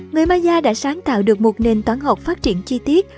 người maya đã sáng tạo được một nền toán học phát triển chi tiết